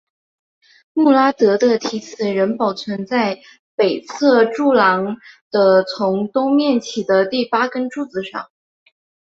穆拉德的题词仍保存在北侧柱廊的从东面起的第八根柱子上。